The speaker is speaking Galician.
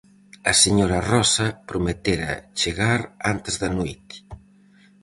A señora Rosa prometera chegar antes da noite.